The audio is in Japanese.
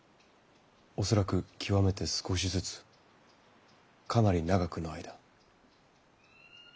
恐らく極めて少しずつかなり長くの間。